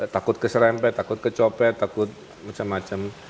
takut keserempet takut kecopet takut macam macam